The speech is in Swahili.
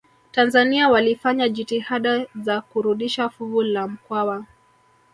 tanzania walifanya jitihada za kurudisha fuvu la mkwawa